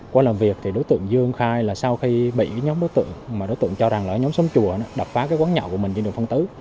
qua làm việc đối tượng dương khai là sau khi bị nhóm đối tượng mà đối tượng cho rằng là nhóm sống chùa đập phá quán nhậu của mình trên đường phong tứ